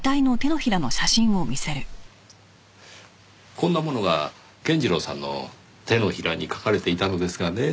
こんなものが健次郎さんの手のひらに書かれていたのですがね。